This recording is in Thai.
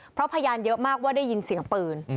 เพราะพยานเยอะมากว่าได้ยินเสียงปืน